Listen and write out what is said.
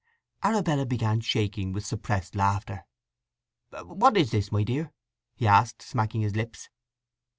Arabella began shaking with suppressed laughter. "What is this, my dear?" he asked, smacking his lips.